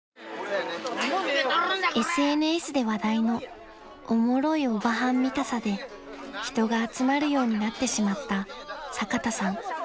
［ＳＮＳで話題のおもろいおばはん見たさで人が集まるようになってしまった坂田さん］